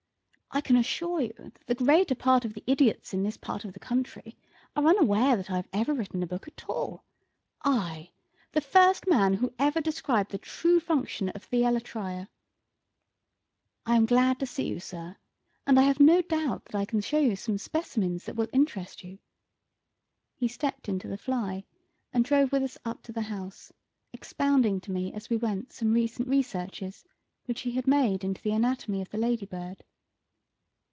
I can assure you that the greater part of the idiots in this part of the country are unaware that I have ever written a book at all I, the first man who ever described the true function of the elytra. I am glad to see you, sir, and I have no doubt that I can show you some specimens which will interest you." He stepped into the fly and drove up with us to the house, expounding to me as we went some recent researches which he had made into the anatomy of the lady bird.